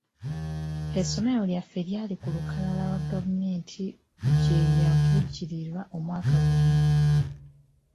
Essomero lyaffe lyali ku lukalala gavumenti ge yavujjirira omwaka guno.